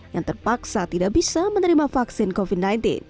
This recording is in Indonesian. yang terpaksa tidak bisa menerima vaksin covid sembilan belas